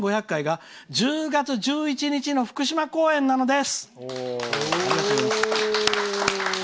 １０月１１日の福島公演なのです！